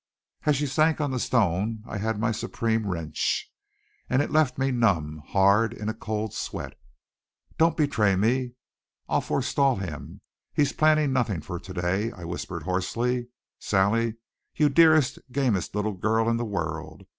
As she sank on the stone I had my supreme wrench, and it left me numb, hard, in a cold sweat. "Don't betray me! I'll forestall him! He's planned nothing for to day," I whispered hoarsely. "Sally you dearest, gamest little girl in the world!